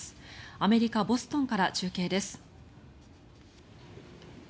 アメリカ・ボストンから中継です。